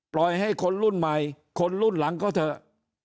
ปล่อยให้คนรุ่นใหม่คนรุ่นหลังเขาเถอะ